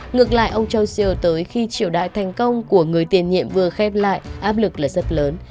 ngược lại ông jussier tới khi triều đại thành công của người tiền nhiệm vừa khép lại áp lực rất lớn